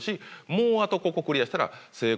もうあとここクリアしたら成功が近い。